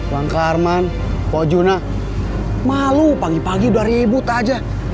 bang harman pojuna malu pagi pagi udah ribut aja